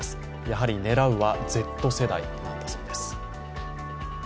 やはり狙うはＺ世代なんだそうです